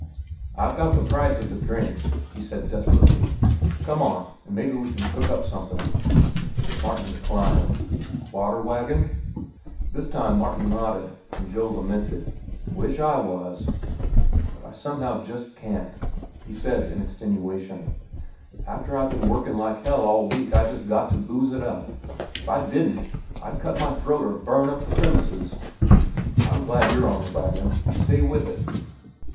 "I've got the price of the drinks," he said desperately. "Come on, an' mebbe we'll cook up something." Martin declined. "Water wagon?" This time Martin nodded, and Joe lamented, "Wish I was." "But I somehow just can't," he said in extenuation. "After I've ben workin' like hell all week I just got to booze up. If I didn't, I'd cut my throat or burn up the premises. But I'm glad you're on the wagon. Stay with it."